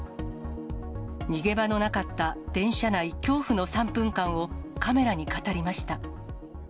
逃げ場のなかった電車内、恐怖の３分間をカメラに語りました。